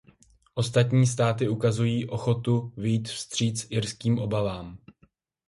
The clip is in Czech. Ostatní státy ukazují ochotu vyjít vstříc irským obavám.